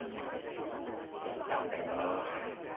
見た目が。